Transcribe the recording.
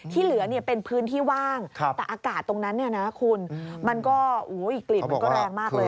ที่เหลือเป็นพื้นที่ว่างแต่อากาศตรงนั้นมันก็อีกกลิ่นมันก็แรงมากเลย